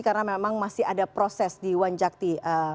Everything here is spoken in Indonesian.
karena memang masih ada proses di wanjakti